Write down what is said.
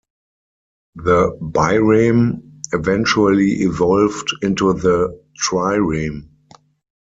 The bireme eventually evolved into the trireme.